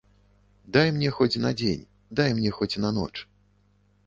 Дай мне хоць на дзень, дай мне хоць на ноч.